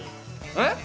えっ？